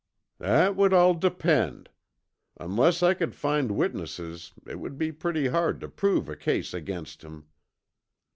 "That would all depend. Unless I could find witnesses it would be pretty hard to prove a case against him.